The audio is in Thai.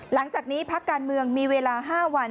หลังจากนี้พักการเมืองมีเวลา๕วัน